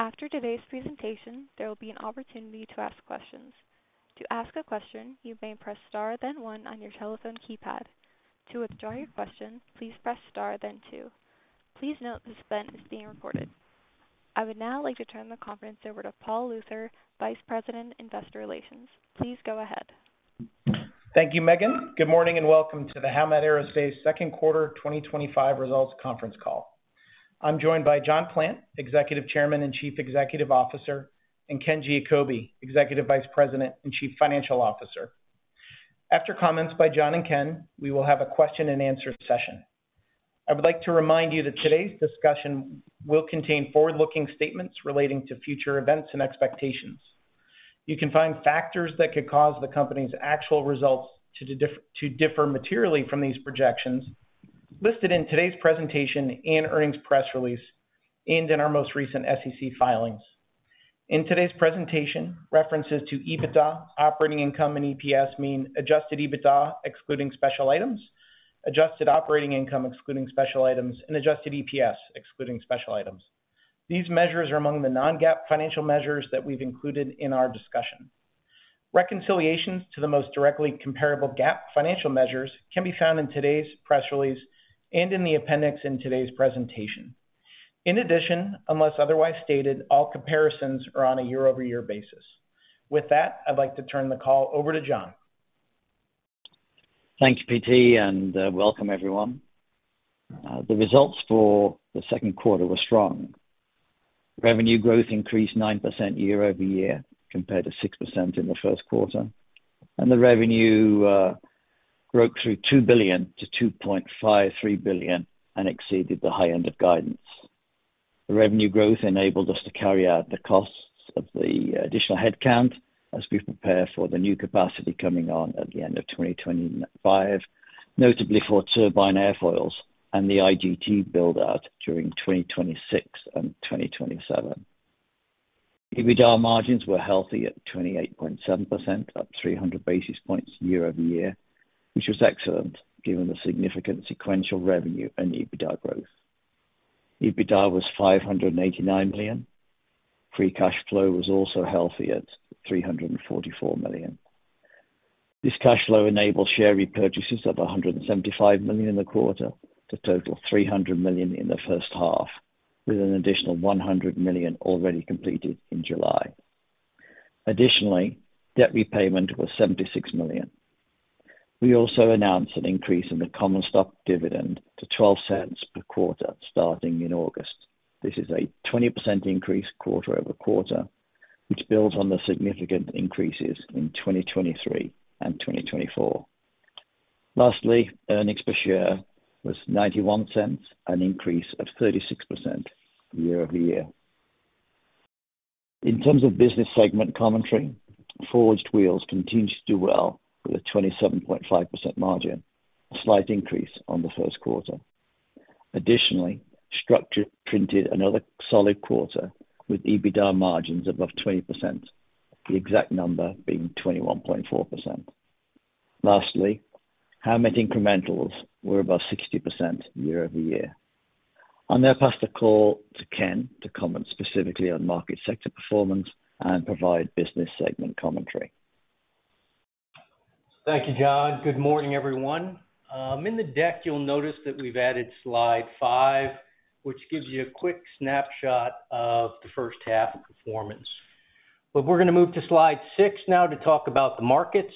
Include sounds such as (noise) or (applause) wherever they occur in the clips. After today's presentation, there will be an opportunity to ask questions. To ask a question, you may press star then one on your telephone keypad. To withdraw your question, please press star then two. Please note this event is being recorded. I would now like to turn the conference over to Paul Luther, Vice President, Investor Relations. Please go ahead. Thank you, Megan. Good morning, and welcome to the Howmet Aerospace Second Quarter 2025 Results Conference Call. I'm joined by John Plant, Executive Chairman and Chief Executive Officer, and Ken Giacobbe, Executive Vice President and Chief Financial Officer. After comments by John and Ken, we will have a question-and-answer session. I would like to remind you that today's discussion will contain forward-looking statements relating to future events and expectations. You can find factors that could cause the company's actual results to differ materially from these projections listed in today's presentation and earnings press release and in our most recent SEC filings. In today's presentation, references to EBITDA, operating income, and EPS mean adjusted EBITDA excluding special items, adjusted operating income excluding special items, and adjusted EPS excluding special items. These measures are among the non-GAAP financial measures that we've included in our discussion. Reconciliations to the most directly comparable GAAP financial measures can be found in today's press release and in the appendix in today's presentation. In addition, unless otherwise stated, all comparisons are on a year-over-year basis. With that, I'd like to turn the call over to John. Thank you, PT, and welcome everyone. The results for the second quarter were strong. Revenue growth increased 9% year-over-year compared to 6% in the first quarter, and the revenue broke through $2 billion-$2.53 billion and exceeded the high end of guidance. The revenue growth enabled us to carry out the costs of the additional headcount as we prepare for the new capacity coming on at the end of 2025, notably for turbine airfoils and the industrial gas turbines build-out during 2026-2027. EBITDA margins were healthy at 28.7%, up 300 basis points year-over-year, which was excellent given the significant sequential revenue and EBITDA growth. EBITDA was $589 million. Free cash flow was also healthy at $344 million. This cash flow enabled share repurchases of $175 million in the quarter to total $300 million in the first half, with an additional $100 million already completed in July. Additionally, debt repayment was $76 million. We also announced an increase in the common stock dividend to $0.12 per quarter starting in August. This is a 20% increase quarter-over-quarter, which builds on the significant increases in 2023-2024. Lastly, earnings per share was $0.91, an increase of 36% year-over-year. In terms of business segment commentary, Forged Wheels continues to do well with a 27.5% margin, a slight increase on the first quarter. Additionally, Engineered Structures printed another solid quarter with EBITDA margins above 20%, the exact number being 21.4%. Lastly, Howmet incrementals were above 60% year-over-year. I'll now pass the call to Ken to comment specifically on market sector performance and provide business segment commentary. Thank you, John. Good morning, everyone. In the deck, you'll notice that we've added slide five, which gives you a quick snapshot of the first half of performance. We're going to move to slide six now to talk about the markets.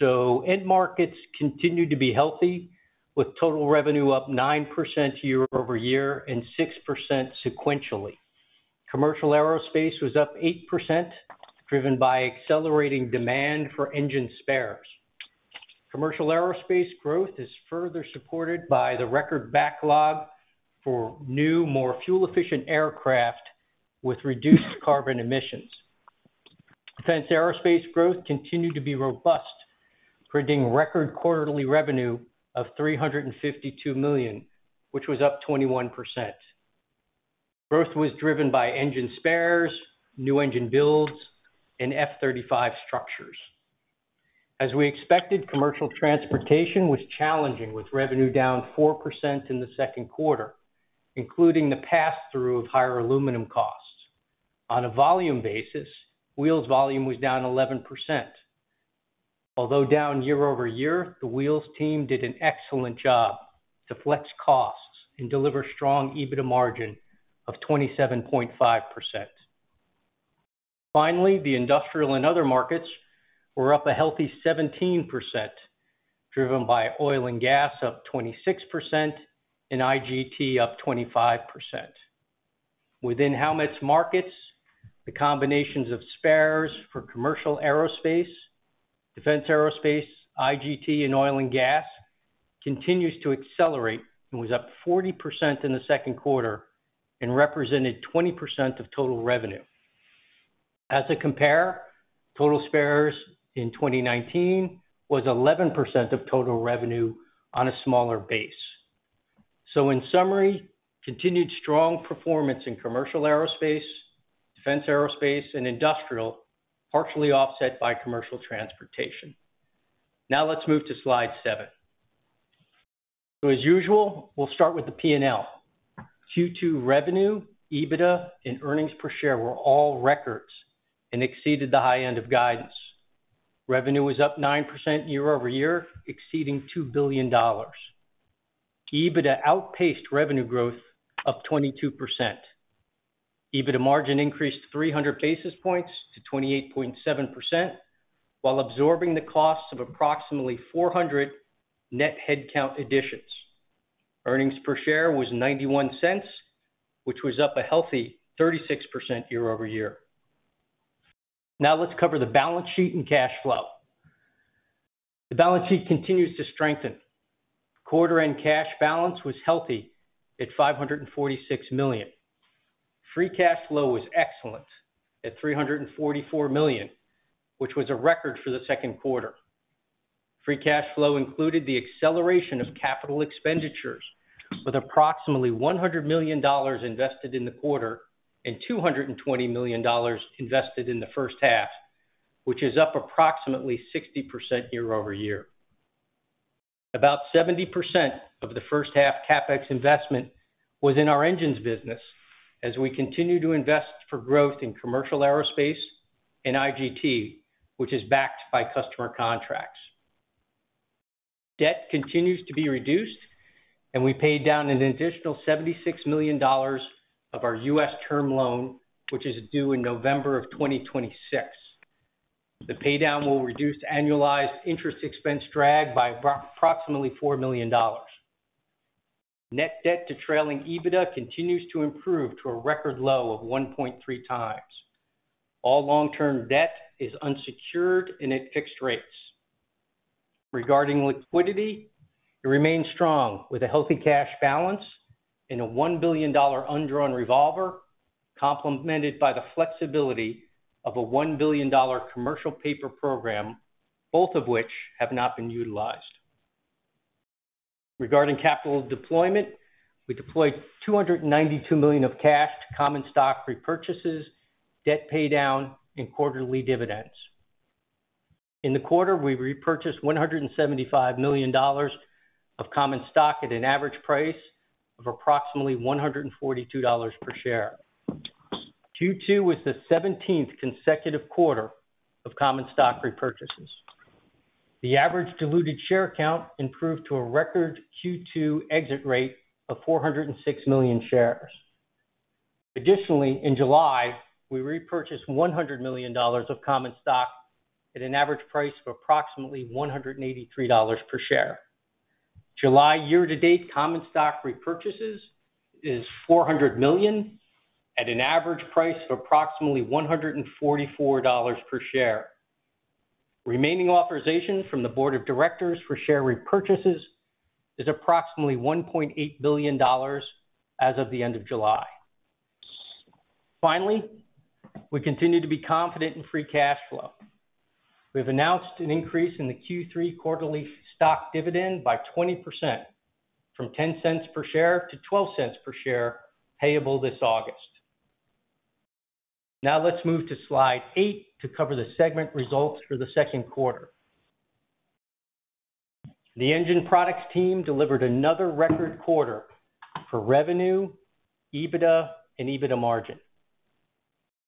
End markets continue to be healthy, with total revenue up 9% year-over-year and 6% sequentially. Commercial aerospace was up 8%, driven by accelerating demand for engine spares. Commercial aerospace growth is further supported by the record backlog for new, more fuel-efficient aircraft with reduced carbon emissions. Defense Aerospace growth continued to be robust, printing record quarterly revenue of $352 million, which was up 21%. Growth was driven by engine spares, new engine builds, and F-35 structures. As we expected, commercial transportation was challenging, with revenue down 4% in the second quarter, including the pass-through of higher aluminum costs. On a volume basis, Wheels volume was down 11%. Although down year-over-year, the Wheels team did an excellent job to flex costs and deliver strong EBITDA margin of 27.5%. Finally, the industrial and other markets were up a healthy 17%, driven by oil and gas up 26% and IGT up 25%. Within Howmet's markets, the combinations of spares for Commercial Aerospace, Defense Aerospace, IGT, and oil and gas continues to accelerate and was up 40% in the second quarter and represented 20% of total revenue. As a compare, total spares in 2019 was 11% of total revenue on a smaller base. In summary, continued strong performance in Commercial Aerospace, Defense Aerospace, and industrial, partially offset by commercial transportation. Let's move to slide seven. As usual, we'll start with the P&L. Q2 revenue, EBITDA, and earnings per share were all records and exceeded the high end of guidance. Revenue was up 9% year-over-year, exceeding $2 billion. EBITDA outpaced revenue growth of 22%. EBITDA margin increased 300 basis points to 28.7%, while absorbing the costs of approximately 400 net headcount additions. Earnings per share was $0.91, which was up a healthy 36% year-over-year. Now let's cover the balance sheet and cash flow. The balance sheet continues to strengthen. Quarter-end cash balance was healthy at $546 million. Free cash flow was excellent at $344 million, which was a record for the second quarter. Free cash flow included the acceleration of capital expenditures, with approximately $100 million invested in the quarter and $220 million invested in the first half, which is up approximately 60% year-over-year. About 70% of the first-half CapEx investment was in our engines business as we continue to invest for growth in Commercial Aerospace and IGT, which is backed by customer contracts. Debt continues to be reduced, and we paid down an additional $76 million of our U.S. term loan, which is due in November of 2026. The paydown will reduce annualized interest expense drag by approximately $4 million. Net debt to trailing EBITDA continues to improve to a record low of 1.3 x. All long-term debt is unsecured and at fixed rates. Regarding liquidity, it remains strong with a healthy cash balance and a $1 billion undrawn revolver, complemented by the flexibility of a $1 billion commercial paper program, both of which have not been utilized. Regarding capital deployment, we deployed $292 million of cash to common stock repurchases, debt paydown, and quarterly dividends. In the quarter, we repurchased $175 million of common stock at an average price of approximately $142 per share. Q2 was the 17th consecutive quarter of common stock repurchases. The average diluted share count improved to a record Q2 exit rate of 406 million shares. Additionally, in July, we repurchased $100 million of common stock at an average price of approximately $183 per share. July year-to-date common stock repurchases is $400 million at an average price of approximately $144 per share. Remaining authorization from the board of directors for share repurchases is approximately $1.8 billion as of the end of July. Finally, we continue to be confident in free cash flow. We have announced an increase in the Q3 quarterly stock dividend by 20%, from $0.10 per share to $0.12 per share payable this August. Now let's move to slide eight to cover the segment results for the second quarter. The Engine Products team delivered another record quarter for revenue, EBITDA, and EBITDA margin.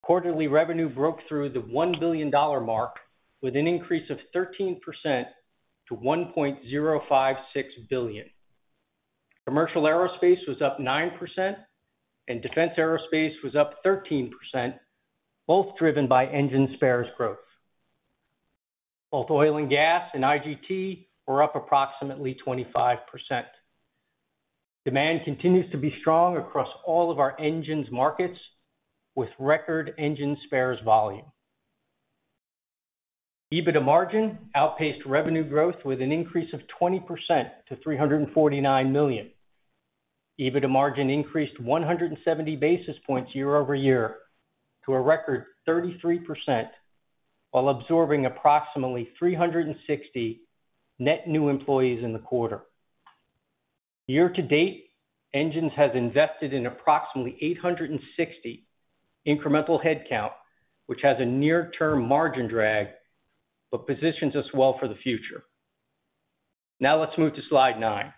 Quarterly revenue broke through the $1 billion mark with an increase of 13% to $1.056 billion. Commercial aerospace was up 9%, and Defense Aerospace was up 13%, both driven by engine spares growth. Both oil and gas and IGT were up approximately 25%. Demand continues to be strong across all of our engines markets with record engine spares volume. EBITDA margin outpaced revenue growth with an increase of 20% to $349 million. EBITDA margin increased 170 basis points year-over-year to a record 33%, while absorbing approximately 360 net new employees in the quarter. Year-to-date, Engines has invested in approximately 860 incremental headcount, which has a near-term margin drag but positions us well for the future. Now let's move to slide nine.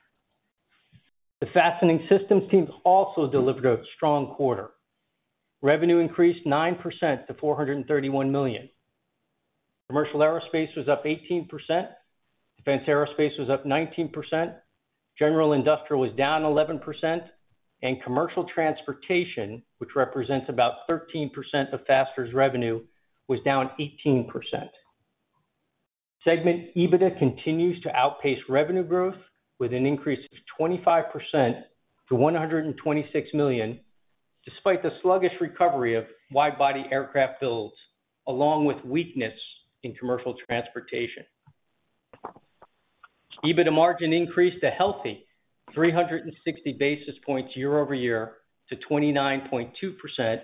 The Fastening Systems team also delivered a strong quarter. Revenue increased 9% to $431 million. Commercial aerospace was up 18%. Defense Aerospace was up 19%. General industrial was down 11%, and commercial transportation, which represents about 13% of Fastening Systems' revenue, was down 18%. Segment EBITDA continues to outpace revenue growth with an increase of 25% to $126 million, despite the sluggish recovery of wide-body aircraft builds, along with weakness in commercial transportation. EBITDA margin increased a healthy 360 basis points year-over-year to 29.2%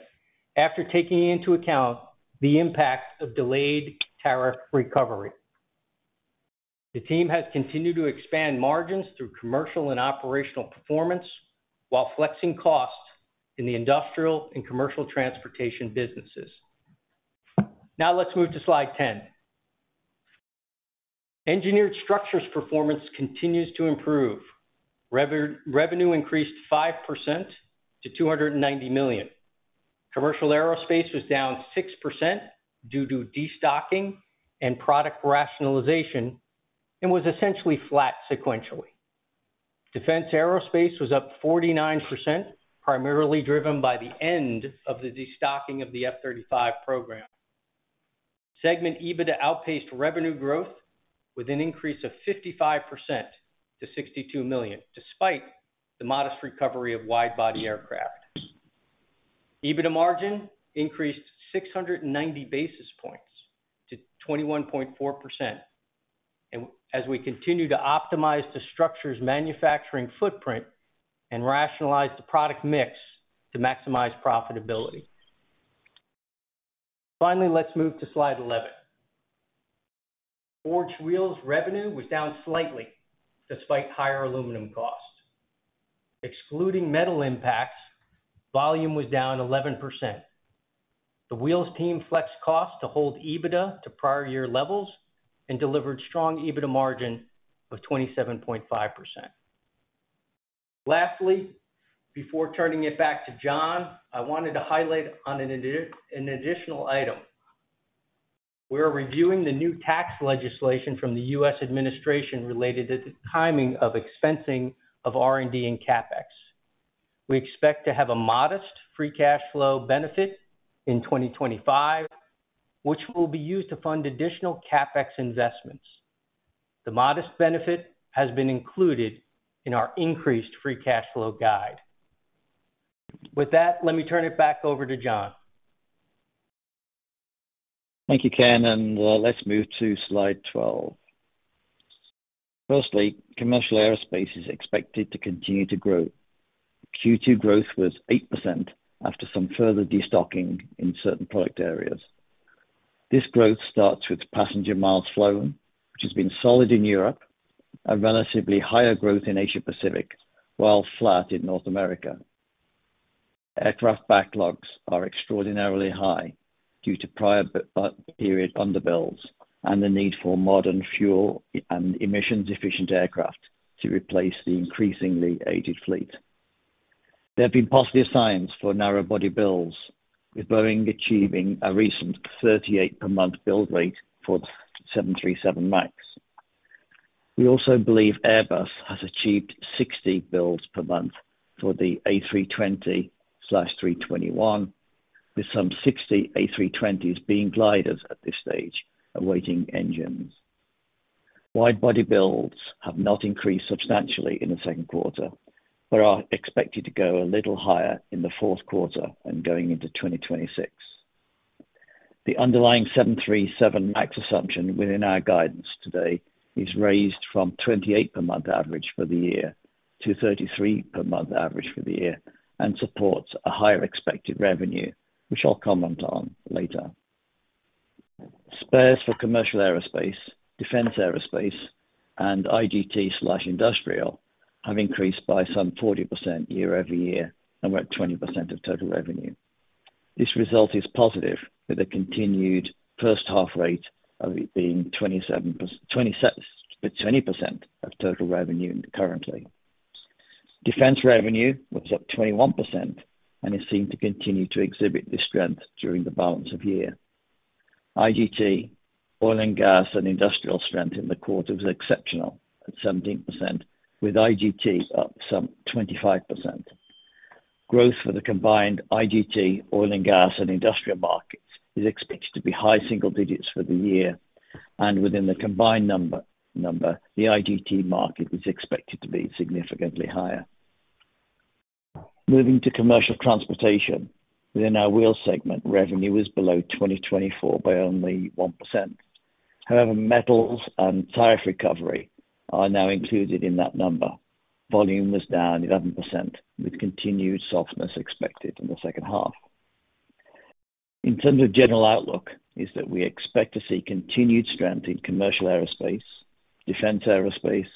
after taking into account the impact of delayed tariff recovery. The team has continued to expand margins through commercial and operational performance while flexing costs in the industrial and commercial transportation businesses. Now let's move to slide 10. Engineered Structures performance continues to improve. Revenue increased 5% to $290 million. Commercial Aerospace was down 6% due to destocking and product rationalization, and was essentially flat sequentially. Defense Aerospace was up 49%, primarily driven by the end of the destocking of the F-35 program. Segment EBITDA outpaced revenue growth with an increase of 55% to $62 million, despite the modest recovery of wide-body aircraft. EBITDA margin increased 690 basis points to 21.4% as we continue to optimize the Structures manufacturing footprint and rationalize the product mix to maximize profitability. Finally, let's move to slide 11. Forged Wheels' revenue was down slightly despite higher aluminum costs. Excluding metal impacts, volume was down 11%. The Wheels team flexed costs to hold EBITDA to prior year levels and delivered strong EBITDA margin of 27.5%. Lastly, before turning it back to John, I wanted to highlight an additional item. We're reviewing the new tax legislation from the U.S. administration related to the timing of expensing of R&D and CapEx. We expect to have a modest free cash flow benefit in 2025, which will be used to fund additional CapEx investments. The modest benefit has been included in our increased free cash flow guide. With that, let me turn it back over to John. Thank you, Ken. Let's move to slide 12. Firstly, Commercial Aerospace is expected to continue to grow. Q2 growth was 8% after some further destocking in certain product areas. This growth starts with passenger miles flown, which has been solid in Europe, a relatively higher growth in Asia-Pacific, while flat in North America. Aircraft backlogs are extraordinarily high due to prior period underbills and the need for modern fuel and emissions-efficient aircraft to replace the increasingly aged fleet. There have been positive signs for narrow-body builds, with Boeing achieving a recent 38 per month build rate for the 737 MAX. We also believe Airbus has achieved 60 builds per month for the A320/321, with some 60 A320s being gliders at this stage awaiting engines. Wide-body builds have not increased substantially in the second quarter, but are expected to go a little higher in the fourth quarter and going into 2026. The underlying 737 MAX assumption within our guidance today is raised from 28 per month average for the year-33 per month average for the year and supports a higher expected revenue, which I'll comment on later. Spares for Commercial Aerospace, Defense Aerospace, and IGT/industrial have increased by some 40% year-over-year and were at 20% of total revenue. This result is positive, with a continued first-half rate of it being 20% of total revenue currently. Defense revenue was up 21% and is seen to continue to exhibit this strength during the balance of year. IGT, oil and gas, and industrial strength in the quarter was exceptional at 17%, with IGT up some 25%. Growth for the combined IGT, oil and gas, and industrial markets is expected to be high single digits for the year, and within the combined number, the IGT market is expected to be significantly higher. Moving to commercial transportation, within our wheel segment, revenue was below 2024 by only 1%. However, metals and tariff recovery are now included in that number. Volume was down 11%, with continued softness expected in the second half. In terms of general outlook, we expect to see continued strength in Commercial Aerospace, Defense Aerospace,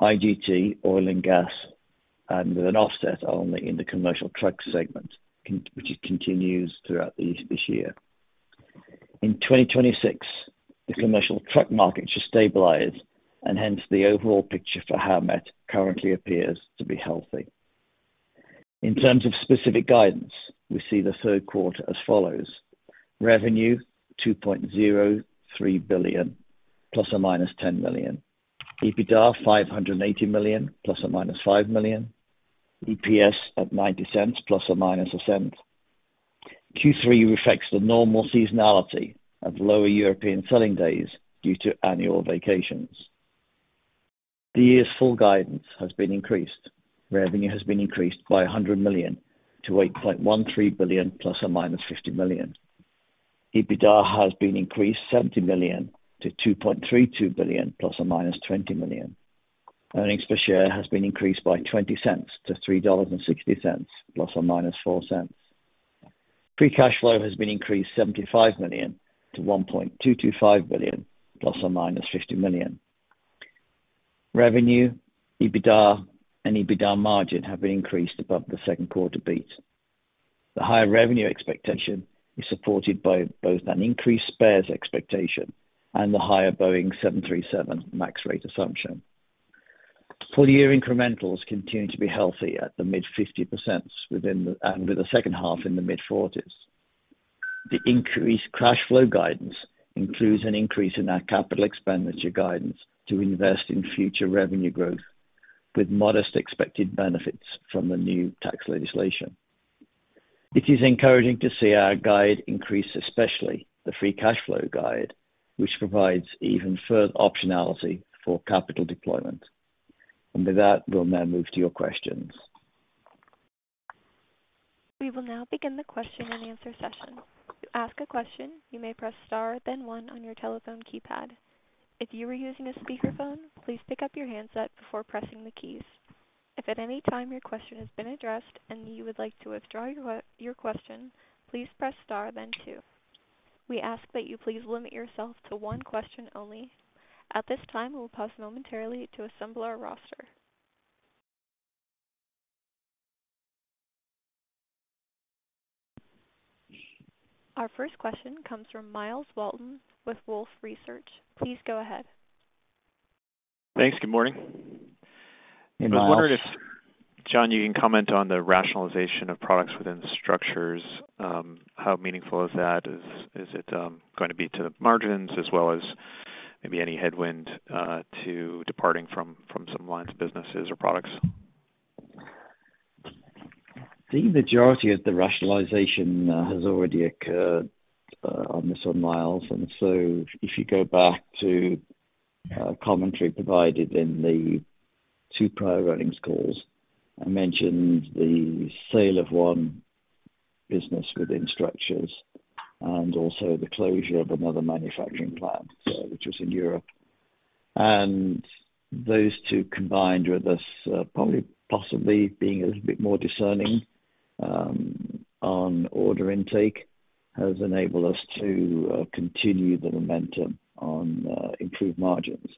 IGT, oil and gas, and with an offset only in the commercial truck segment, which continues throughout this year. In 2026, the commercial truck market should stabilize, and hence the overall picture for Howmet currently appears to be healthy. In terms of specific guidance, we see the third quarter as follows: revenue $2.03 billion, ± $10 million; EBITDA $580 million, ± $5 million; EPS at $0.90, ± $0.01. Q3 reflects the normal seasonality of lower European selling days due to annual vacations. The year's full guidance has been increased. Revenue has been increased by $100 million-$8.13 billion, ± $50 million. EBITDA has been increased $70 million-$2.32 billion, ± $20 million. Earnings per share has been increased by $0.20-$3.60, ± $0.04. Free cash flow has been increased $75 million-$1.225 billion, ± $50 million. Revenue, EBITDA, and EBITDA margin have been increased above the second-quarter beat. The higher revenue expectation is supported by both an increased spares expectation and the higher Boeing 737 MAX rate assumption. Full-year incrementals continue to be healthy at the mid-50%, with the second half in the mid-40%. The increased cash flow guidance includes an increase in our capital expenditure guidance to invest in future revenue growth, with modest expected benefits from the new tax legislation. It is encouraging to see our guide increase, especially the free cash flow guide, which provides even further optionality for capital deployment. With that, we'll now move to your questions. We will now begin the question-and-answer session. To ask a question, you may press star, then one on your telephone keypad. If you are using a speakerphone, please pick up your handset before pressing the keys. If at any time your question has been addressed and you would like to withdraw your question, please press star, then two. We ask that you please limit yourself to one question only. At this time, we'll pause momentarily to assemble our roster. Our first question comes from Myles Walton with Wolfe Research. Please go ahead. Thanks. Good morning. Good morning. (crosstalk) I was wondering (crosstalk) if, John, you can comment on the rationalization of products within Engineered Structures. How meaningful is that? Is it going to be to the margins as well as maybe any headwind to departing from some lines of businesses or products? The majority of the rationalization has already occurred on this one, Myles. If you go back to commentary provided in the two prior earnings calls, I mentioned the sale of one business within Engineered Structures and also the closure of another manufacturing plant, which was in Europe. Those two, combined with us probably possibly being a little bit more discerning on order intake, has enabled us to continue the momentum on improved margins.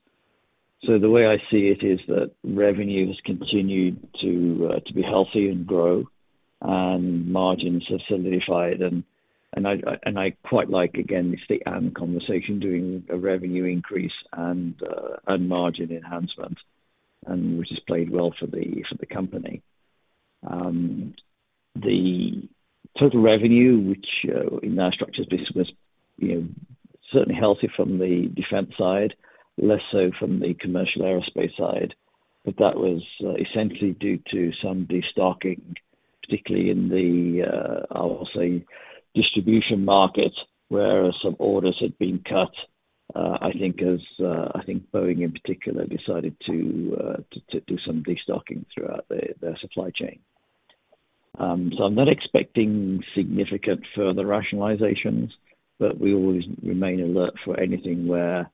The way I see it is that revenues continue to be healthy and grow, and margins have solidified. I quite like, again, the state and conversation doing a revenue increase and margin enhancement, which has played well for the company. The total revenue, which in our Engineered Structures was certainly healthy from Defense Aerospace side, less so from the Commercial Aerospace side, but that was essentially due to some destocking, particularly in the distribution markets, where some orders had been cut. I think Boeing in particular decided to do some destocking throughout their supply chain. I'm not expecting significant further rationalizations, but we always remain alert for anything where,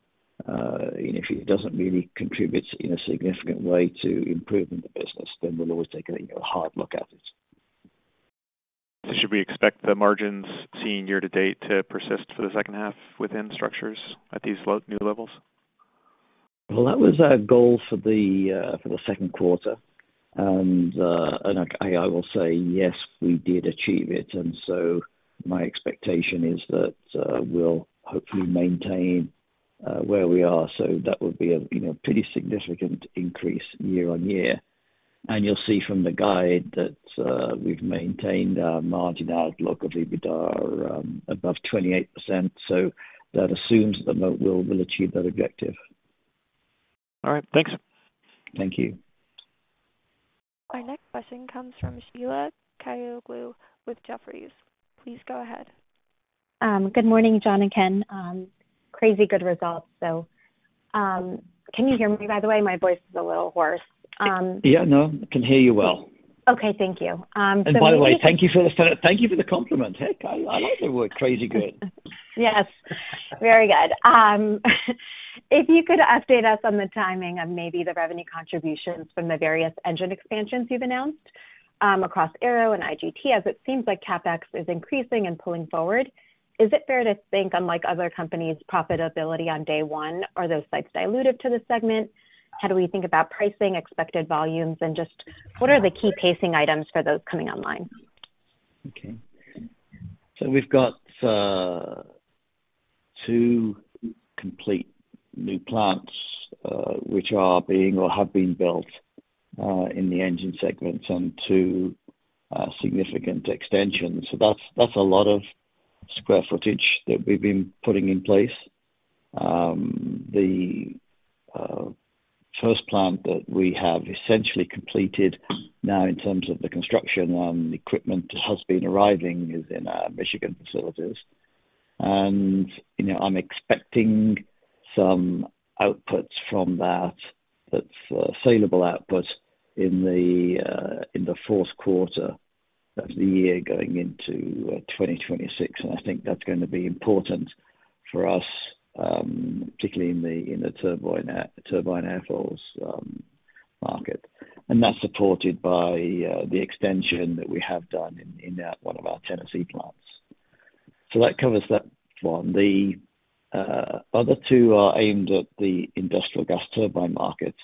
if it doesn't really contribute in a significant way to improving the business, then we'll always take a hard look at it. Should we expect the margins seen year to date to persist for the second half within Engineered Structures at these new levels? Our goal for the second quarter was to achieve it. I will say, yes, we did achieve it. My expectation is that we'll hopefully maintain where we are. That would be a pretty significant increase year-on-year. You'll see from the guide that we've maintained our margin outlook of EBITDA above 28%. That assumes that we'll achieve that objective. All right. Thanks. Thank you. Our next question comes from Sheila Kahyaoglu with Jefferies. Please go ahead. Good morning, John and Ken. Crazy good results. Can you hear me, by the way? My voice is a little hoarse. Yeah, no, I can hear you well. Okay, thank you. By the way, (crosstalk) thank you for the compliment. Hey, Kyle, I like the word crazy good. Yes. Very good. If you could update us on the timing of maybe the revenue contributions from the various engine expansions you've announced across Aero and IGT, as it seems like CapEx is increasing and pulling forward, is it fair to think, unlike other companies, profitability on day one? Are those sites diluted to the segment? How do we think about pricing, expected volumes, and just what are the key pacing items for those coming online? Okay. We've got two complete new plants, which are being or have been built in the Engine segment, and two significant extensions. That's a lot of square footage that we've been putting in place. The first plant that we have essentially completed now in terms of the construction and equipment that has been arriving is in our Michigan facilities. I'm expecting some outputs from that, that's saleable output, in the fourth quarter of the year going into 2026. I think that's going to be important for us, particularly in the turbine airflows market. That's supported by the extension that we have done in one of our Tennessee plants. That covers that one. The other two are aimed at the industrial gas turbine (IGT) market.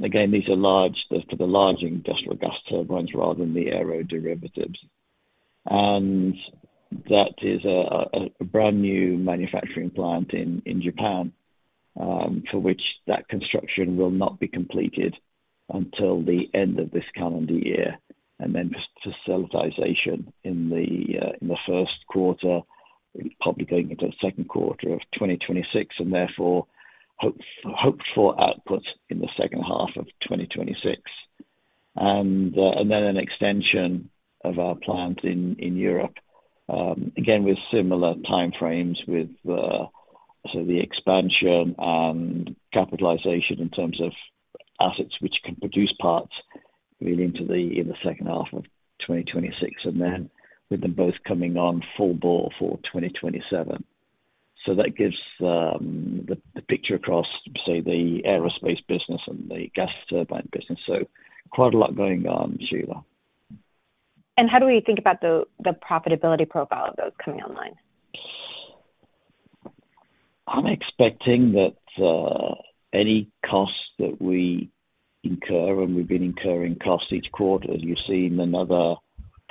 These are for the large industrial gas turbines rather than the aero derivatives. That is a brand new manufacturing plant in Japan, for which construction will not be completed until the end of this calendar year. Facilitization will be in the first quarter, probably going into the second quarter of 2026, and therefore hoped-for outputs in the second half of 2026. There's also an extension of our plants in Europe, again, with similar timeframes, with the expansion and capitalization in terms of assets, which can produce parts really into the second half of 2026, and then with them both coming on full bore for 2027. That gives the picture across, say, the aerospace business and the gas turbine business. Quite a lot going on, Sheila. How do we think about the profitability profile of those coming online? I'm expecting that. Any cost that we incur, and we've been incurring costs each quarter, you've seen another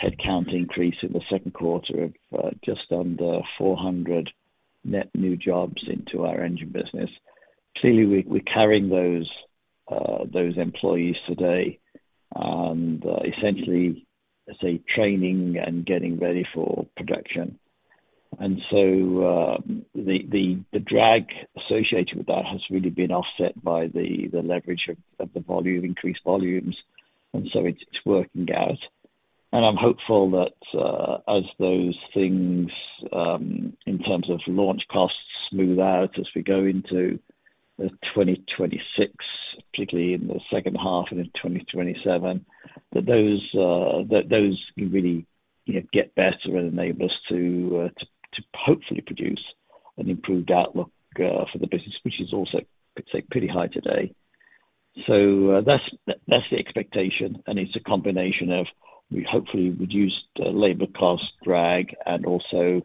headcount increase in the second quarter of just under 400 net new jobs into our Engine business. Clearly, we're carrying those employees today and essentially training and getting ready for production. The drag associated with that has really been offset by the leverage of the increased volumes. It's working out. I'm hopeful that as those things, in terms of launch costs, smooth out as we go into 2026, particularly in the second half and in 2027, those can really get better and enable us to hopefully produce an improved outlook for the business, which is also, I'd say, pretty high today. That's the expectation. It's a combination of, hopefully, reduced labor cost drag and also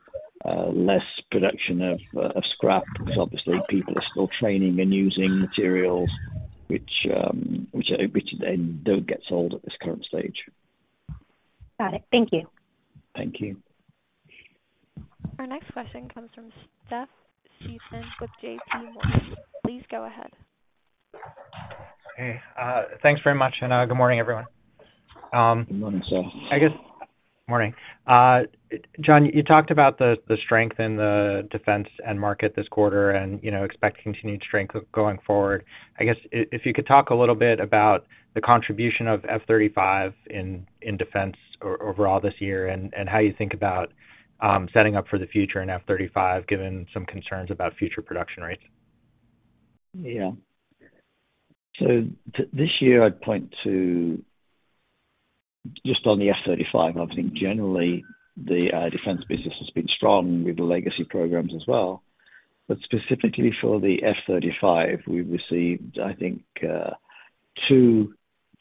less production of scrap, because obviously, people are still training and using materials, which then don't get sold at this current stage. Got it. Thank you. Thank you. Our next question comes from Steph Stevens with JPMorgan. Please go ahead. Hey, thanks very much. Good morning, everyone. Good morning, sir. Good morning. John, you talked about the strength in the defense and market this quarter and expect continued strength going forward. If you could talk a little bit about the contribution of F-35 in defense overall this year and how you think about setting up for the future in F-35, given some concerns about future production rates. Yeah. This year, I'd point to just on the F-35, I think generally the defense business has been strong with the legacy programs as well. Specifically for the F-35, we've received, I think, two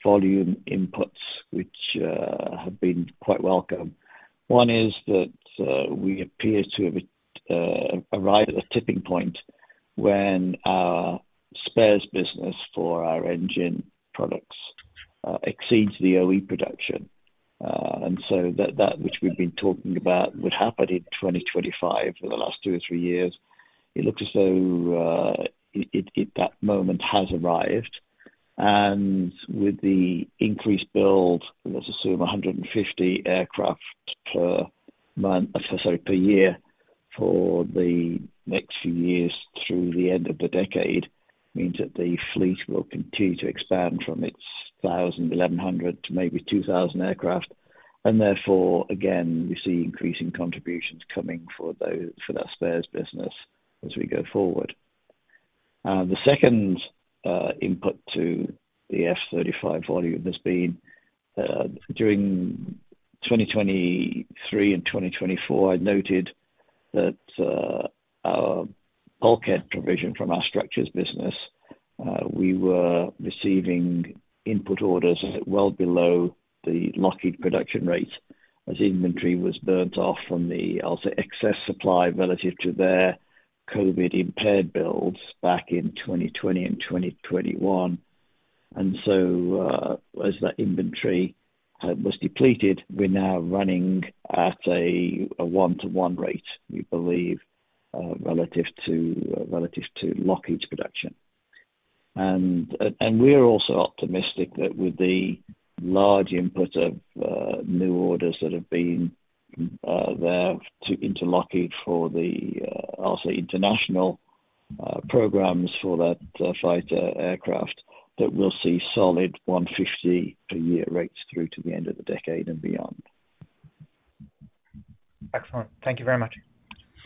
volume inputs which have been quite welcome. One is that we appear to have arrived at a tipping point when our spares business for our engine products exceeds the OE production. That, which we've been talking about, would happen in 2025 for the last two-three years. It looks as though that moment has arrived. With the increased build, let's assume 150 aircraft per year for the next few years through the end of the decade, the fleet will continue to expand from its 1,000,-1,100 to maybe 2,000 aircraft. Therefore, again, we see increasing contributions coming for that spares business as we go forward. The second input to the F-35 volume has been during 2023-2024. I noted that our bulkhead provision from our Structures business, we were receiving input orders well below the Lockheed production rate as inventory was burnt off from the, I'll say, excess supply relative to their COVID-impaired builds back in 2020-2021. As that inventory was depleted, we're now running at a one-to-one rate, we believe, relative to Lockheed's production. We are also optimistic that with the large input of new orders that have been there into Lockheed for the, I'll say, international programs for that fighter aircraft, we'll see solid 150 per year rates through to the end of the decade and beyond. Excellent. Thank you very much.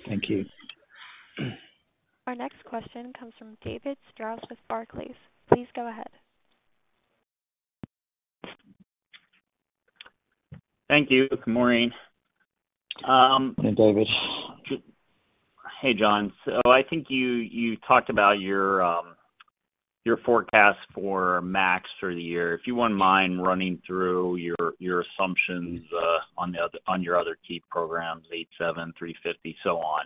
Thank you. Our next question comes from David Strauss with Barclays. Please go ahead. Thank you. Good morning. Hey, David. Hey, John. I think you talked about your forecast for MAX for the year. If you wouldn't mind running through your assumptions on your other key programs, 87, 350, and so on.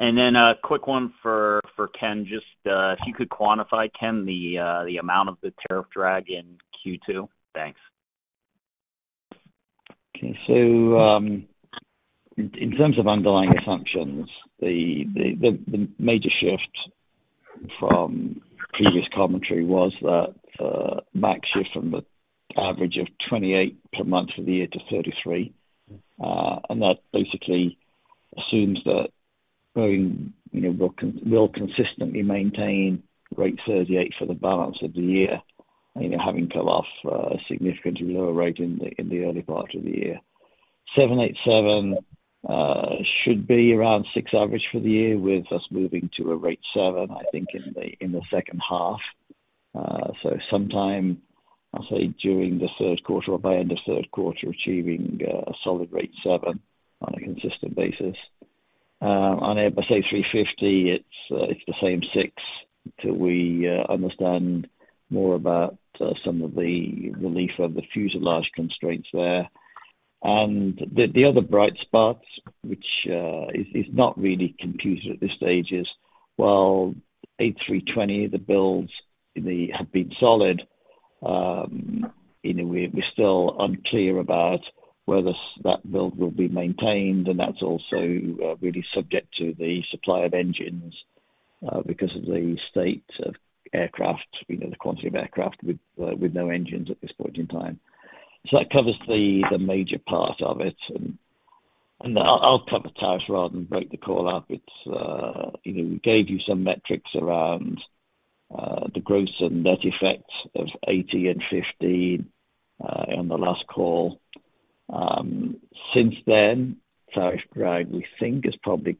A quick one for Ken, just if you could quantify, Ken, the amount of the tariff drag in Q2. Thanks. Okay. In terms of underlying assumptions, the major shift from previous commentary was that MAX shift from the average of 28 per month for the year to 33. That basically assumes that Boeing will consistently maintain rate 38 for the balance of the year, having come off a significantly lower rate in the early part of the year. The 787 should be around six average for the year with us moving to a rate seven, I think, in the second half. Sometime, I'll say, during the third quarter or by end of third quarter, achieving a solid rate seven on a consistent basis. On A350, it's the same six till we understand more about some of the relief of the fuselage constraints there. The other bright spots, which is not really confused at this stage, is while A320, the builds have been solid, we're still unclear about whether [stack] build will be maintained. That's also really subject to the supply of engines because of the state of aircraft, the quantity of aircraft with no engines at this point in time. That covers the major part of it. I'll cover tariffs rather than break the call up. We gave you some metrics around the gross and net effect of 80 and 50 on the last call. Since then, tariff drag, we think, has probably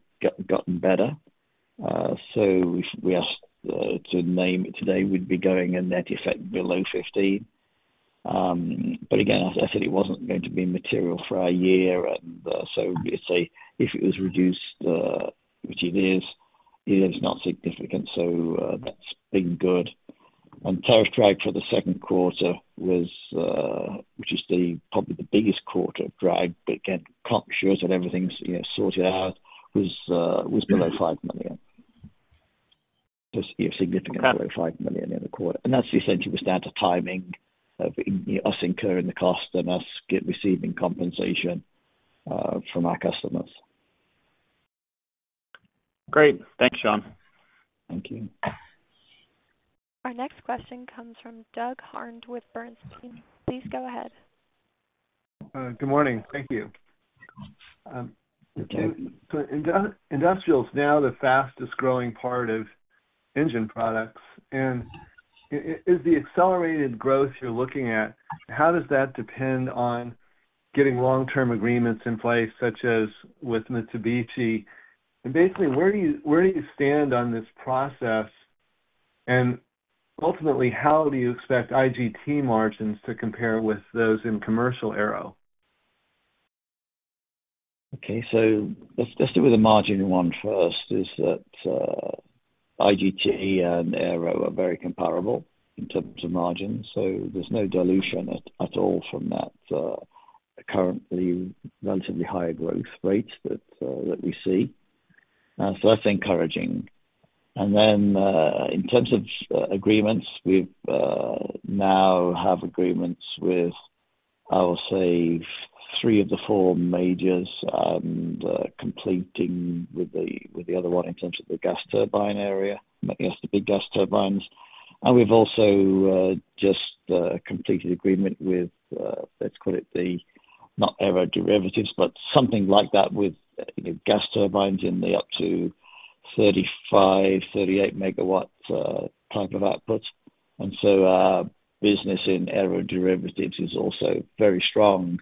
gotten better. If we asked to name it today, we'd be going a net effect below 15. Again, as I said, it wasn't going to be material for our year. If it was reduced, which it is, it is not significant. That's been good. Tariff drag for the second quarter, which is probably the biggest quarter of drag, but again, can't be sure that everything's sorted out, was below $5 million. Significantly below $5 million in the quarter. That essentially was down to timing of us incurring the cost and us receiving compensation from our customers. Great. Thanks, John. Thank you. Our next question comes from Doug Harned with Bernstein. Please go ahead. Good morning. Thank you. Good morning. (crosstalk) Industrial is now the fastest growing part of Engine products. Is the accelerated growth you're looking at, how does that depend on getting long-term agreements in place, such as with Mitsubishi? Basically, where do you stand on this process, and ultimately, how do you expect IGT margins to compare with those in commercial Aero? Okay. Let's do the margin one first. IGT and Aero are very comparable in terms of margins, so there's no dilution at all from that. Currently, relatively high growth rate that we see, so that's encouraging. In terms of agreements, we now have agreements with, I'll say, three of the four majors and completing with the other one in terms of the gas turbine area, the big gas turbines. We've also just completed agreement with, let's call it the not Aeroderivatives, but something like that with gas turbines in the up to 35-38 megawatt type of output. Business in Aeroderivatives is also very strong.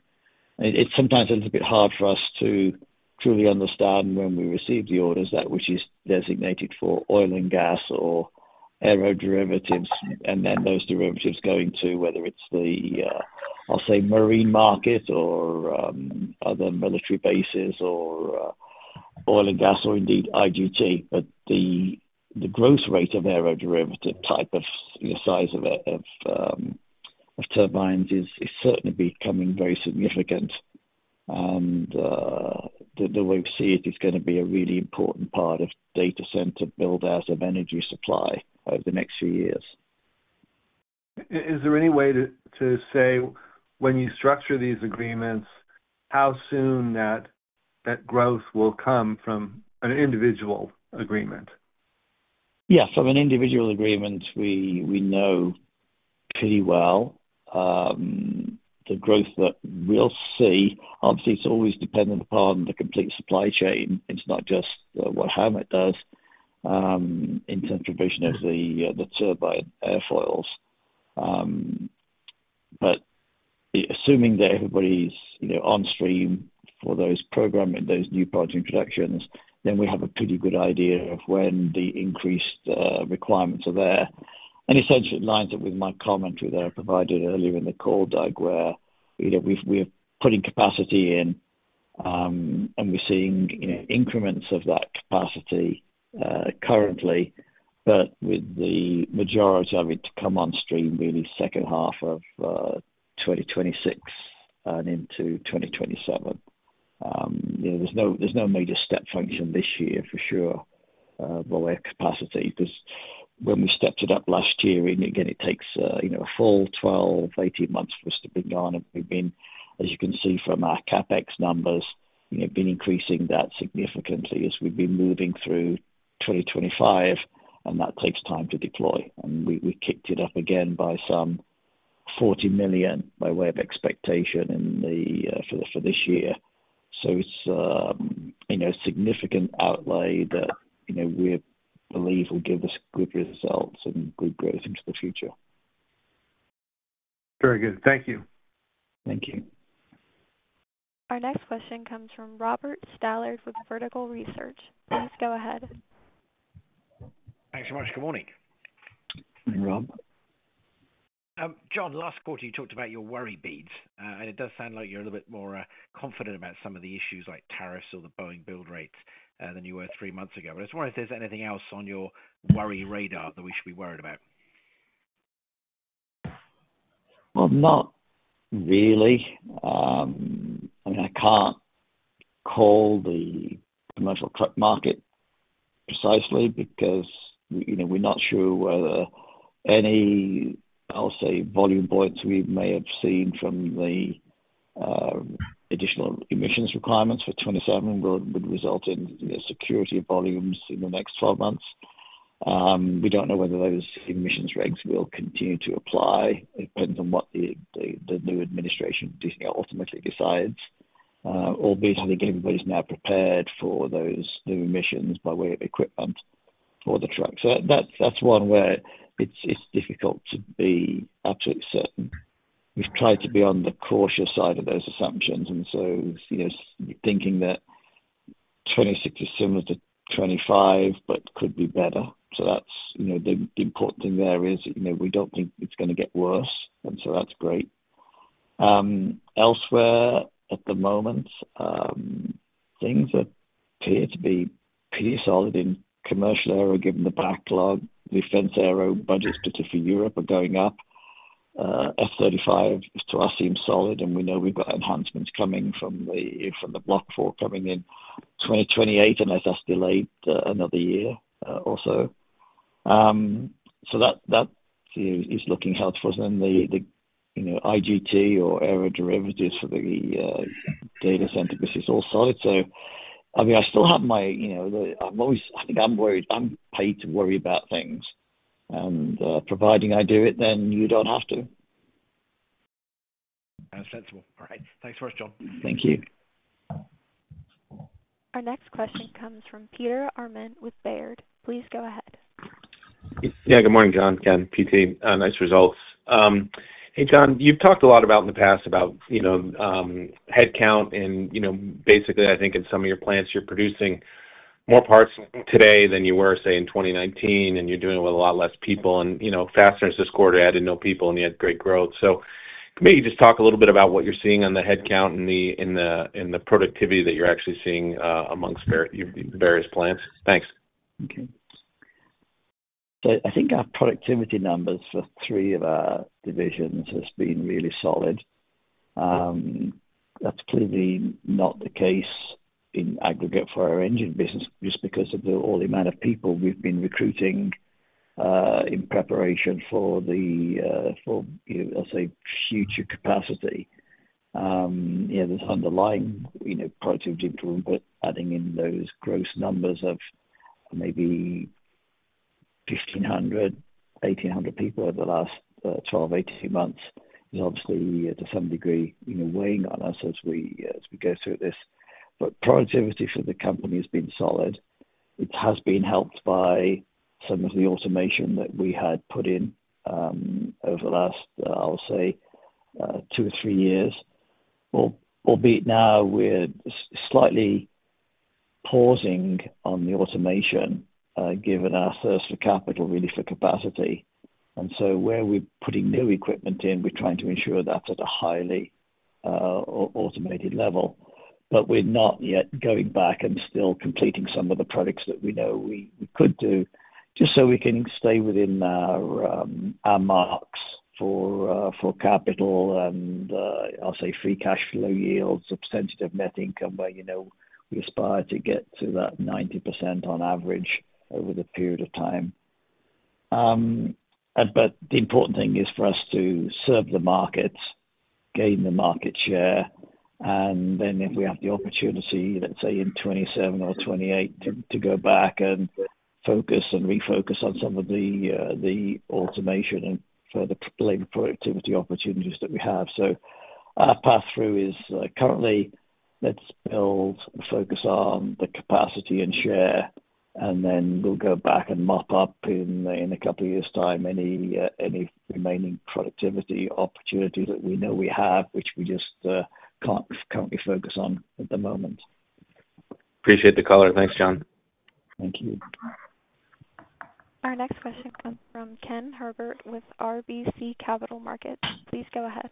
It's sometimes a little bit hard for us to truly understand when we receive the orders which is designated for oil and gas or Aeroderivatives, and then those derivatives going to whether it's the, I'll say, marine market or other military bases or oil and gas or indeed IGT. The growth rate of Aeroderivative-type of size of turbines is certainly becoming very significant. The way we see it, it's going to be a really important part of data center build-out of energy supply over the next few years. Is there any way to say, when you structure these agreements, how soon that growth will come from an individual agreement? Yeah. From an individual agreement, we know pretty well the growth that we'll see. Obviously, it's always dependent upon the complete supply chain. It's not just what Howmet does in terms of vision of the turbine airfoils. Assuming that everybody's on stream for those programming, those new product introductions, then we have a pretty good idea of when the increased requirements are there. Essentially, it lines up with my commentary that I provided earlier in the call, Doug, where we're putting capacity in, and we're seeing increments of that capacity currently, with the majority of it to come on stream really second half of 2026 and into 2027. There's no major step function this year for sure by way of capacity because when we stepped it up last year, it takes a full 12-18 months for us to be gone. We've been, as you can see from our CapEx numbers, increasing that significantly as we've been moving through 2025, and that takes time to deploy. We kicked it up again by some $40 million by way of expectation for this year. It's a significant outlay that we believe will give us good results and good growth into the future. Very good. Thank you. Thank you. Our next question comes from Robert Stallard with Vertical Research. Please go ahead. Thanks so much. Good morning. Morning, Rob. John, last quarter, you talked about your worry beads. It does sound like you're a little bit more confident about some of the issues like tariffs or the Boeing build rates than you were three months ago. I just wonder if there's anything else on your worry radar that we should be worried about. I mean, I can't call the commercial truck market precisely because we're not sure whether any, I'll say, volume buoyancy we may have seen from the additional emissions requirements for 2027 would result in security volumes in the next 12 months. We don't know whether those emissions regs will continue to apply. It depends on what the new administration ultimately decides. Albeit, I think everybody's now prepared for those new emissions by way of equipment for the truck. That's one where it's difficult to be absolutely certain. We've tried to be on the cautious side of those assumptions, thinking that 2026 is similar to 2025 but could be better. The important thing there is we don't think it's going to get worse, and that's great. Elsewhere, at the moment, things appear to be pretty solid in Commercial [Aerospace] given the backlog. Defense Aerospace budgets, particularly for Europe, are going up. F-35, to us, seems solid, and we know we've got enhancements coming from the Block 4 coming in 2028 unless that's delayed another year or so. That is looking helpful. The IGT or Aeroderivatives for the data center business is all solid. I mean, I still have my, I think I'm worried. I'm paid to worry about things, and providing I do it, then you don't have to. That's sensible. All right. Thanks for that, John. Thank you. Our next question comes from Peter Arment with Baird. Please go ahead. Yeah. Good morning, John. Again, PT. Nice results. Hey, John, you've talked a lot in the past about headcount. Basically, I think in some of your plants, you're producing more parts today than you were, say, in 2019, and you're doing it with a lot less people. In [Fastening Systems] this quarter, I didn't know people, and you had great growth. Maybe just talk a little bit about what you're seeing on the headcount and the productivity that you're actually seeing amongst the various plants. Thanks. Okay. I think our productivity numbers for three of our divisions have been really solid. That's clearly not the case in aggregate for our Engine business, just because of all the amount of people we've been recruiting in preparation for the future capacity. Yeah, there's underlying productivity improvement, but adding in those gross numbers of maybe 1,500-1,800 people over the last 12-18 months is obviously, to some degree, weighing on us as we go through this. Productivity for the company has been solid. It has been helped by some of the automation that we had put in over the last, I'll say, two-three years. Albeit now we're slightly pausing on the automation, given our source of capital really for capacity. Where we're putting new equipment in, we're trying to ensure that's at a highly automated level. We're not yet going back and still completing some of the products that we know we could do, just so we can stay within our MAX for capital and, I'll say, free cash flow yields, substantive net income where we aspire to get to that 90% on average over the period of time. The important thing is for us to serve the markets, gain the market share. If we have the opportunity, let's say, in 2027-2028, to go back and focus and refocus on some of the automation and further labor productivity opportunities that we have. Our path through is currently let's build, focus on the capacity and share, and then we'll go back and mop up in a couple of years' time any remaining productivity opportunity that we know we have, which we just can't currently focus on at the moment. Appreciate the call. Thanks, John. Thank you. Our next question comes from Ken Herbert with RBC Capital Markets. Please go ahead.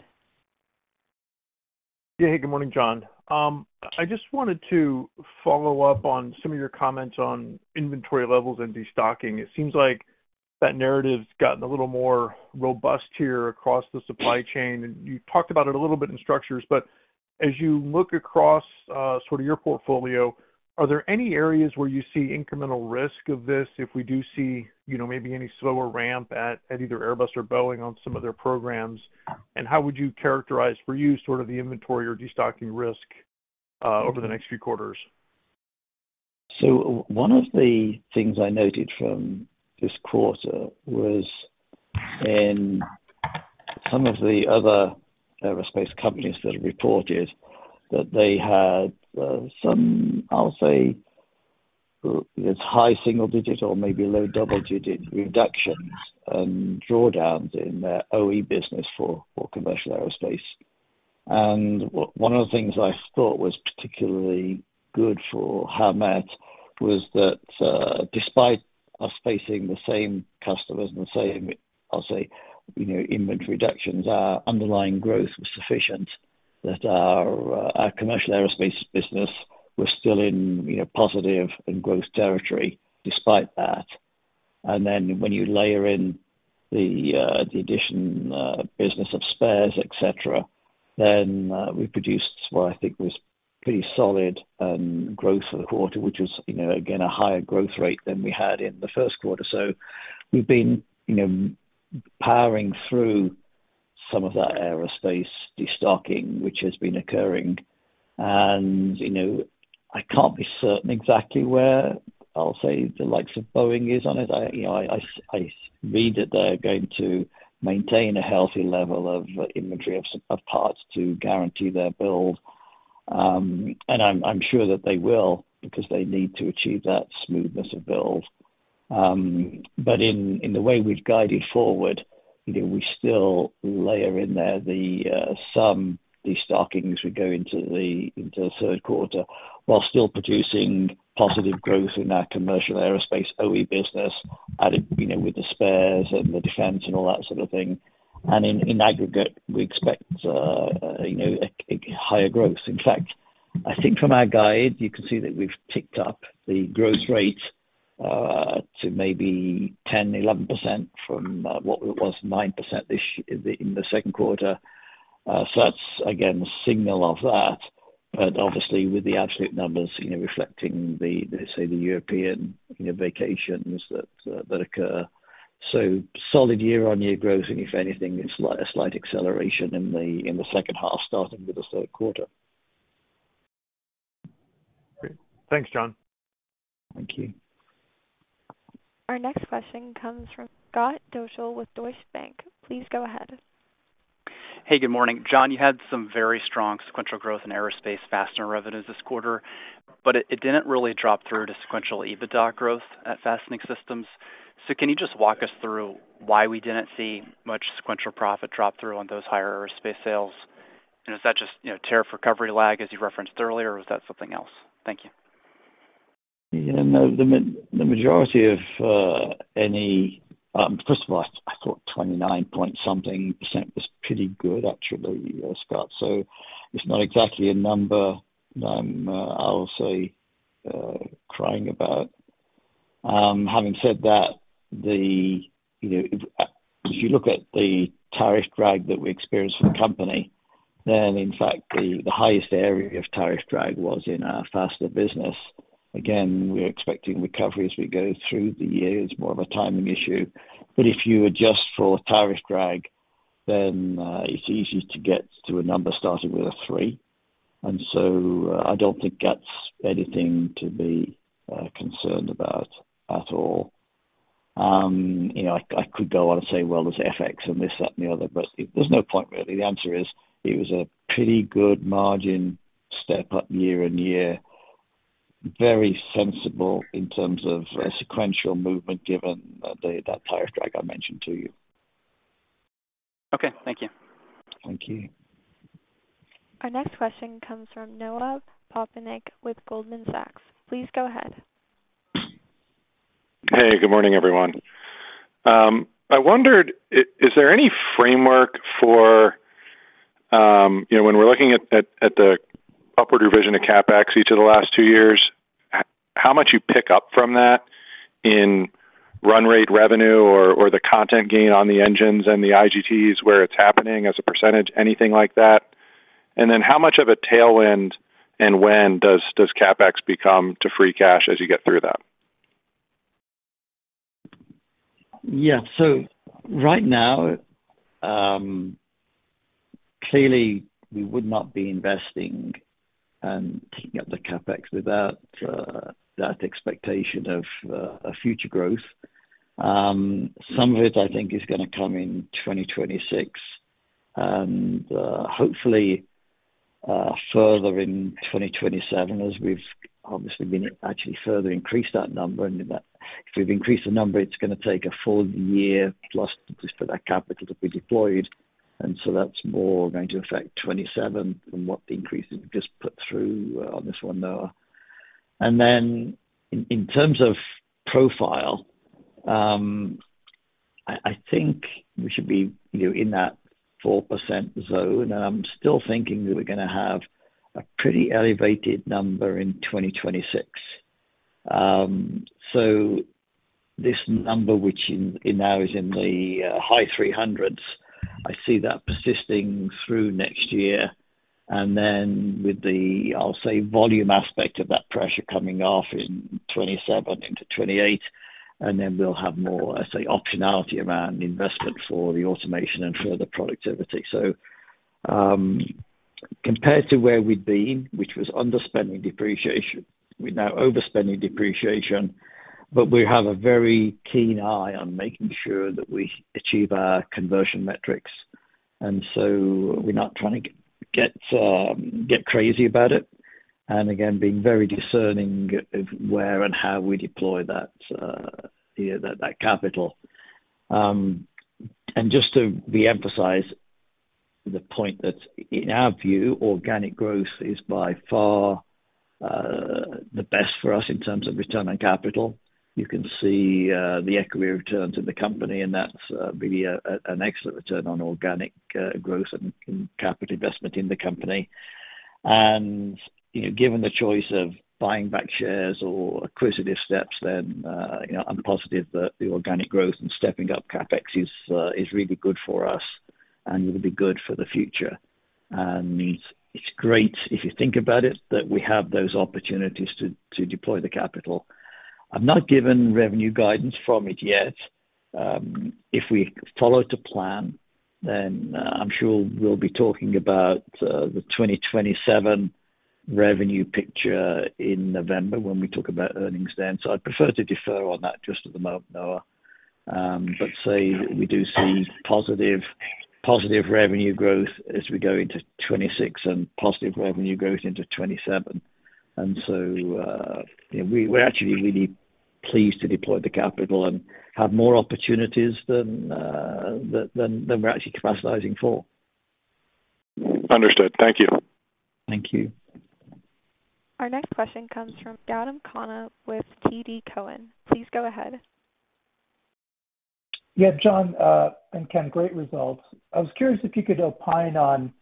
Yeah. Hey, good morning, John. I just wanted to follow up on some of your comments on inventory levels and destocking. It seems like that narrative's gotten a little more robust here across the supply chain. You talked about it a little bit in structures. As you look across sort of your portfolio, are there any areas where you see incremental risk of this if we do see maybe any slower ramp at either Airbus or Boeing on some of their programs? How would you characterize for you sort of the inventory or destocking risk over the next few quarters? One of the things I noted from this quarter was in some of the other aerospace companies that have reported that they had some, I'll say, high single-digit or maybe low double-digit reductions and drawdowns in their OE business for [Commercial] Aerospace. One of the things I thought was particularly good for Howmet was that, despite us facing the same customers and the same, I'll say, inventory reductions, our underlying growth was sufficient that our Commercial Aerospace business was still in positive and growth territory despite that. When you layer in the addition business of spares, etc., then we produced what I think was pretty solid growth for the quarter, which was, again, a higher growth rate than we had in the first quarter. We've been powering through some of that aerospace destocking, which has been occurring. I can't be certain exactly where, I'll say, the likes of Boeing is on it. I read that they're going to maintain a healthy level of inventory of parts to guarantee their build. I'm sure that they will because they need to achieve that smoothness of build. In the way we've guided forward, we still layer in there some destocking as we go into the third quarter while still producing positive growth in our Commercial Aerospace OE business with the spares and the defense and all that sort of thing. In aggregate, we expect higher growth. In fact, I think from our guide, you can see that we've ticked up the growth rate to maybe 10%-11% from what it was, 9% in the second quarter. That's, again, a signal of that. Obviously, with the absolute numbers reflecting the, say, the European vacations that occur, so solid year-on-year growth. If anything, it's a slight acceleration in the second half, starting with the third quarter. Great. Thanks, John. Thank you. (audio distortion) Our next question comes from Scott Deuschle with Deutsche Bank. Please go ahead. Hey, good morning. John, you had some very strong sequential growth in aerospace fastener revenues this quarter, but it didn't really drop through to sequential EBITDA growth at Fastening Systems. Can you just walk us through why we didn't see much sequential profit drop through on those higher aerospace sales? Is that just tariff recovery lag, as you referenced earlier, or was that something else? Thank you. Yeah. The majority of. First of all, I thought 29% was pretty good, actually, Scott. It's not exactly a number I'll say crying about. Having said that, if you look at the tariff drag that we experience from the company, then in fact, the highest area of tariff drag was in our Fastening business. Again, we're expecting recovery as we go through the years. More of a timing issue. If you adjust for tariff drag, then it's easy to get to a number starting with a three. I don't think that's anything to be concerned about at all. I could go on and say, "There's FX and this, that, and the other." There's no point, really. The answer is it was a pretty good margin step up year-on-year, very sensible in terms of sequential movement given that tariff drag I mentioned to you. Okay, thank you. Thank you. Our next question comes from Noah Papinek with Goldman Sachs. Please go ahead. Hey, good morning, everyone. I wondered, is there any framework for when we're looking at the upward revision of CapEx each of the last two years, how much you pick up from that in run rate revenue or the content gain on the engines and the IGTs where it's happening as a percentage, anything like that? How much of a tailwind and when does CapEx become to free cash as you get through that? Yeah. Right now, clearly, we would not be investing and taking up the CapEx without that expectation of future growth. Some of it, I think, is going to come in 2026, and hopefully further in 2027, as we've obviously been actually further increased that number. If we've increased the number, it's going to take a full year plus to just put that capital to be deployed. That's more going to affect 2027 than what the increase we've just put through on this one, Noah. In terms of profile, I think we should be in that 4%-zone, and I'm still thinking that we're going to have a pretty elevated number in 2026. This number, which now is in the high 300s, I see that persisting through next year. With the, I'll say, volume aspect of that pressure coming off in 2027-2028, then we'll have more, I'd say, optionality around investment for the automation and further productivity. Compared to where we'd been, which was under spending depreciation, we're now overspending depreciation. We have a very keen eye on making sure that we achieve our conversion metrics, so we're not trying to get crazy about it. Again, being very discerning of where and how we deploy that capital. Just to re-emphasize the point that in our view, organic growth is by far the best for us in terms of return on capital. You can see the equity returns in the company, and that's really an excellent return on organic growth and capital investment in the company. Given the choice of buying back shares or acquisitive steps, then I'm positive that the organic growth and stepping up CapEx is really good for us and will be good for the future. It's great, if you think about it, that we have those opportunities to deploy the capital. I've not given revenue guidance from it yet. If we follow to plan, then I'm sure we'll be talking about the 2027 revenue picture in November when we talk about earnings then. I'd prefer to defer on that just at the moment, Noah, but say we do see positive revenue growth as we go into 2026 and positive revenue growth into 2027. We're actually really pleased to deploy the capital and have more opportunities than we're actually capitalizing for. Understood. Thank you. Thank you. Our next question comes from Gautam Khanna with TD Cowen. Please go ahead. Yeah. John and Ken, great results. I was curious if you could opine on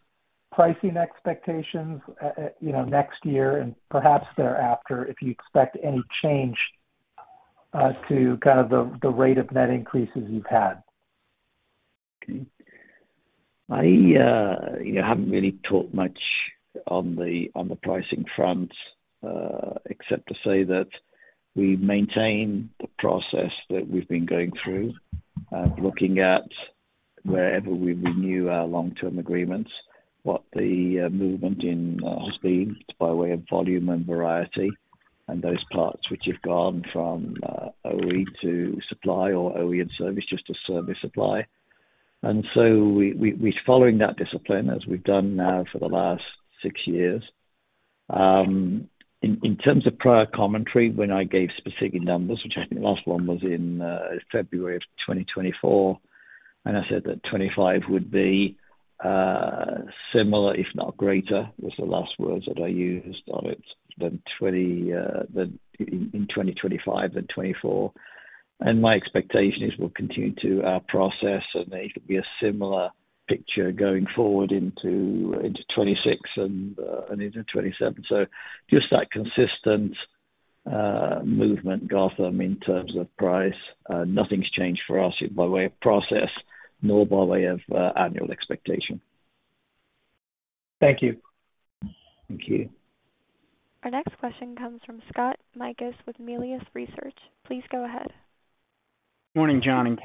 pricing expectations next year and perhaps thereafter, if you expect any change to the rate of net increases you've had? Okay. I haven't really talked much on the pricing front, except to say that we maintain the process that we've been going through, looking at wherever we renew our long-term agreements, what the movement has been by way of volume and variety, and those parts which have gone from OE to supply or OE and service, just to service supply. We're following that discipline as we've done now for the last six years. In terms of prior commentary, when I gave specific numbers, which I think the last one was in February of 2024, I said that 2025 would be similar, if not greater, was the last words that I used on it, in 2025 than 2024. My expectation is we'll continue to our process, and there should be a similar picture going forward into 2026-2027. Just that consistent movement, Gautam, in terms of price. Nothing's changed for us by way of process nor by way of annual expectation. Thank you. Thank you. Our next question comes from ScottMikus with Melius Research. Please go ahead. Morning, John and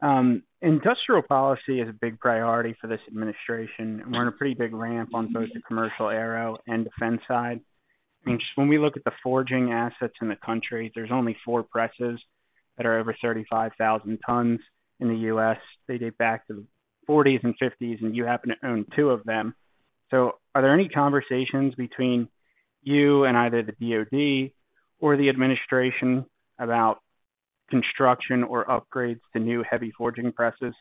Ken. Industrial policy is a big priority for this administration. We're on a pretty big ramp on both the Commercial Aero and Defense side. When we look at the forging assets in the U.S., there's only four presses that are over 35,000 tons in the U.S. They date back to the 1940s-950s, and you happen to own two of them. Are there any conversations between you and either the DOD or the administration about construction or upgrades to new heavy forging presses?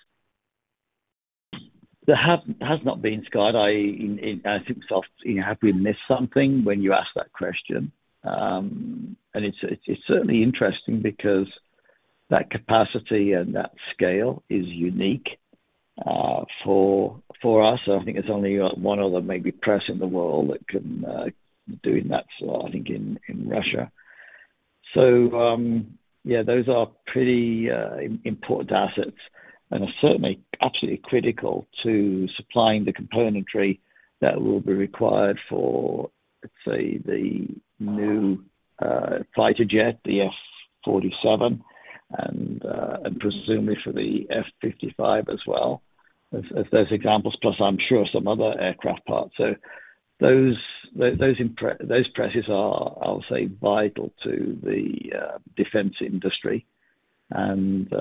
There has not been, Scott. I think we've missed something when you ask that question. It's certainly interesting because that capacity and that scale is unique for us. I think there's only one other maybe press in the world that can do that, I think, in Russia. Those are pretty important assets, and they're certainly absolutely critical to supplying the componentry that will be required for, let's say, the new fighter jet, the F-47, and presuma55y for the F-55 as well, as those examples, plus I'm sure some other aircraft parts. Those presses are, I'll say, vital to the defense industry. It's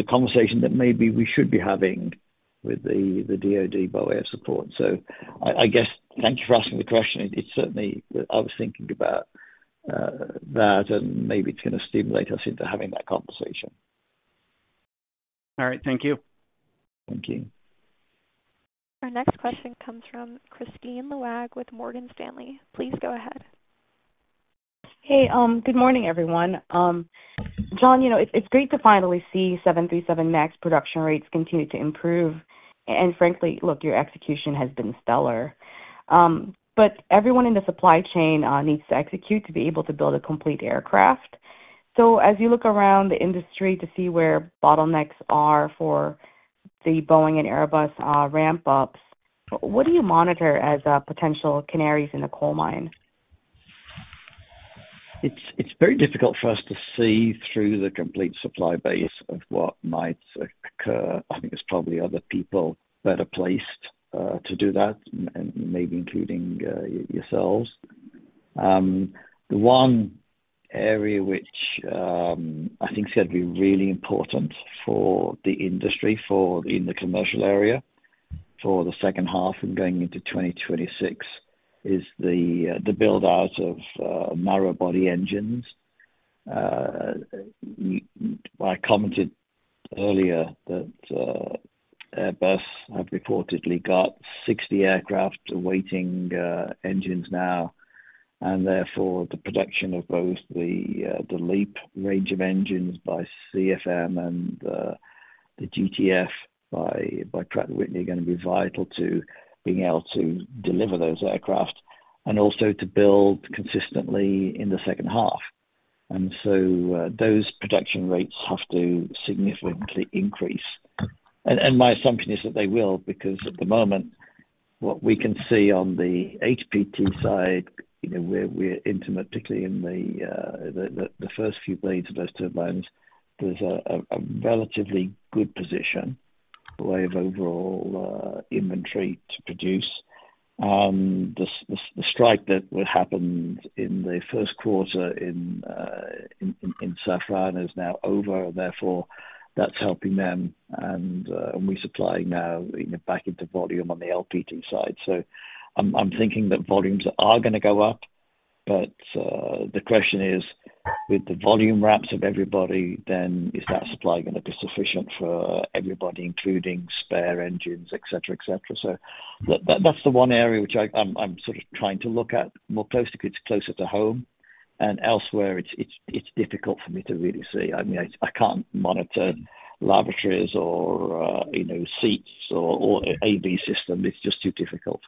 a conversation that maybe we should be having with the DOD by way of support. I guess thank you for asking the question. I was thinking about that, and maybe it's going to stimulate us into having that conversation. All right. Thank you. Thank you. Our next question comes from Kristine Liwag with Morgan Stanley. Please go ahead. Hey. Good morning, everyone. John, it's great to finally see 737 MAX production rates continue to improve. Frankly, your execution has been stellar. Everyone in the supply chain needs to execute to be able to build a complete aircraft. As you look around the industry to see where bottlenecks are for the Boeing and Airbus ramp-ups, what do you monitor as potential canaries in the coal mine? It's very difficult for us to see through the complete supply base of what might occur. I think it's probably other people better placed to do that, maybe including yourselves. The one area which I think is going to be really important for the industry, in the commercial area, for the second half and going into 2026, is the build-out of narrowbody engines. I commented earlier that Airbus have reportedly got 60 aircraft awaiting engines now. Therefore, the production of both the LEAP range of engines by CFM and the GTF by Pratt & Whitney are going to be vital to being able to deliver those aircraft and also to build consistently in the second half. Those production rates have to significantly increase. My assumption is that they will because at the moment, what we can see on the HPT side, where we're intimate, particularly in the first few blades of those turbines, there's a relatively good position by way of overall inventory to produce. The strike that happened in the first quarter in Safran is now over. Therefore, that's helping them, and we're supplying now back into volume on the LPT side. I'm thinking that volumes are going to go up. The question is, with the volume ramps of everybody, then is that supply going to be sufficient for everybody, including spare engines, etc., etc.? That's the one area which I'm sort of trying to look at more closely because it's closer to home. Elsewhere, it's difficult for me to really see. I mean, I can't monitor laboratories or seats or AV system. It's just too difficult.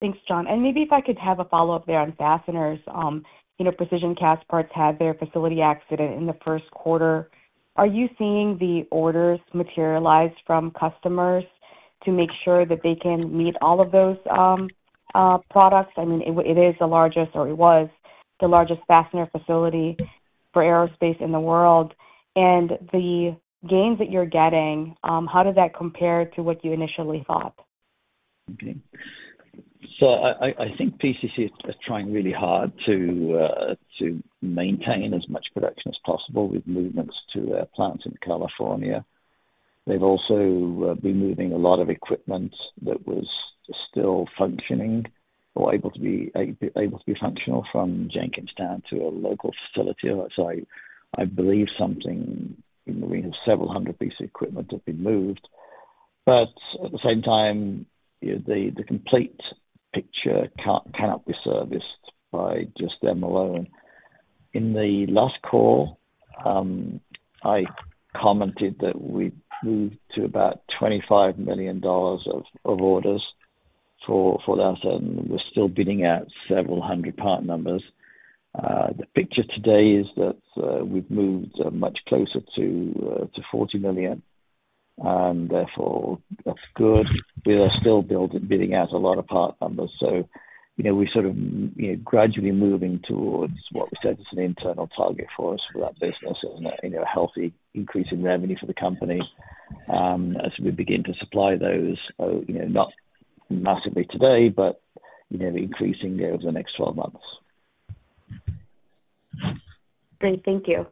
Thanks, John. Maybe if I could have a follow-up there on fasteners. Precision Castparts had their facility accident in the first quarter. Are you seeing the orders materialize from customers to make sure that they can meet all of those products? It is the largest or it was the largest fastener facility for aerospace in the world. The gains that you're getting, how does that compare to what you initially thought? Okay. I think Precision Castparts are trying really hard to maintain as much production as possible with movements to their plants in California. They've also been moving a lot of equipment that was still functioning or able to be functional from Jenkins down to a local facility. I believe something in the range of several hundred pieces of equipment have been moved. At the same time, the complete picture cannot be serviced by just them alone. In the last call, I commented that we've moved to about $25 million of orders for that, and we're still bidding at several hundred part numbers. The picture today is that we've moved much closer to $40 million, and therefore, that's good. We are still bidding at a lot of part numbers. We're gradually moving towards what we said is an internal target for us for that business and a healthy increase in revenue for the company as we begin to supply those, not massively today, but increasing over the next 12 months. Great. Thank you.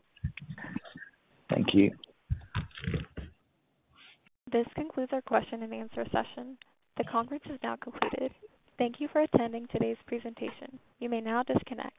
Thank you. This concludes our question-and-answer session. The conference is now concluded. Thank you for attending today's presentation. You may now disconnect.